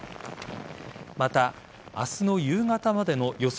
また、明日の夕方までの予想